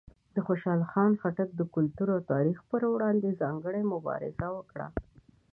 د خوشحال خان خټک د کلتور او تاریخ پر وړاندې یې ځانګړې مبارزه وکړه.